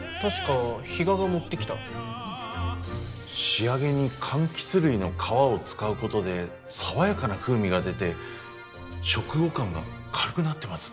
仕上げにかんきつ類の皮を使うことで爽やかな風味が出て食後感が軽くなってます。